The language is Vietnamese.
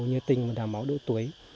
như tình và đảm bảo độ tuổi